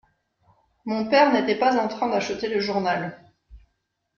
Mon père n’était pas en train d’acheter le journal.